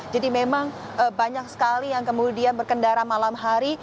jadi memang banyak sekali yang kemudian berkendara malam hari